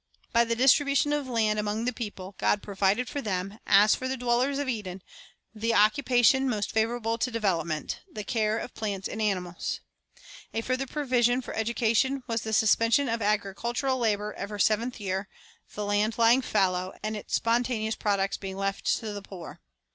By the distribution of the land among the people, God provided for them, as for the dwellers in Eden, the occupation most favorable to development, — the care of plants and animals. A further provision for education was the suspension of agricultural labor every seventh year, the land lying fallow, and its spontaneous prod ucts being left to the poor.